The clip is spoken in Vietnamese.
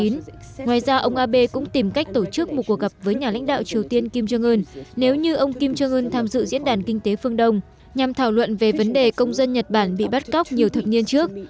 ngoài ra ông abe cũng tìm cách tổ chức một cuộc gặp với nhà lãnh đạo triều tiên kim jong un nếu như ông kim jong un tham dự diễn đàn kinh tế phương đông nhằm thảo luận về vấn đề công dân nhật bản bị bắt cóc nhiều thập niên trước